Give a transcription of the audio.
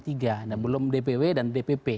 dan belum dpw dan dpp